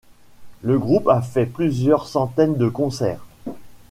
Le groupe a fait plusieurs centaines de concerts.